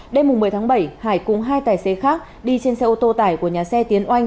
đêm một mươi tháng bảy hải cùng hai tài xế khác đi trên xe ô tô tải của nhà xe tiến oanh